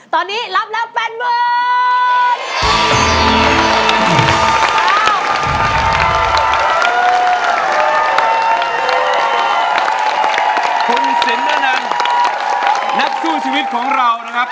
คุณสินนานำนับสู้ชีวิตของเรานะครับ